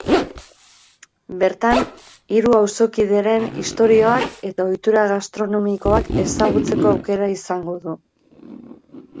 Bertan, hiru auzokideren istorioak eta ohitura gastronomikoak ezagutzeko aukera izango du.